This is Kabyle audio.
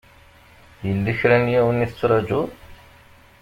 Yella kra n yiwen i tettṛajuḍ?